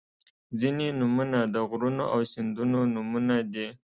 • ځینې نومونه د غرونو او سیندونو نومونه دي.